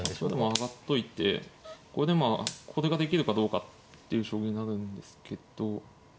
上がっといてこれでまあこれができるかどうかっていう勝負になるんですけど。